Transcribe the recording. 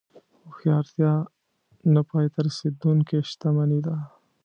هوښیارتیا نه پای ته رسېدونکې شتمني ده.